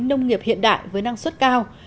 nông nghiệp hiện đại với năng suất cao